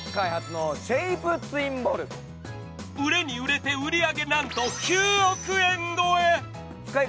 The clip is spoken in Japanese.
売れに売れて、売り上げなんと９億円超え。